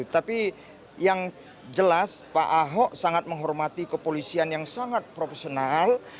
tapi yang jelas pak ahok sangat menghormati kepolisian yang sangat profesional